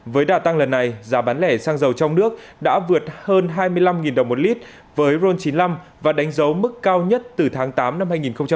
với đà tăng lần này giá bán lẻ xăng dầu trong nước đã vượt hơn hai mươi năm đồng một lít với ron chín mươi năm và đánh dấu mức cao nhất từ tháng tám năm hai nghìn hai mươi